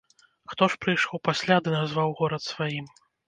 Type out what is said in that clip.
Хто ж прыйшоў пасля ды назваў горад сваім?